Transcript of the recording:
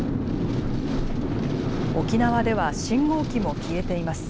沖縄では信号機も消えています。